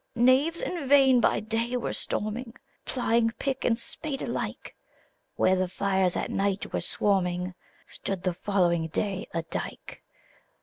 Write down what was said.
BAUCIS. Knaves in vain by day were storming. 228 FAUST. Plying pick and spade alike; Where the fires at night were swarming. Stood, the following day, a dike.